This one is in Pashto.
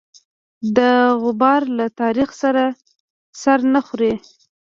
د غبار له تاریخ سره سر نه خوري.